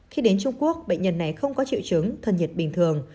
khi đến trung quốc bệnh nhân này không có triệu chứng thân nhiệt bình thường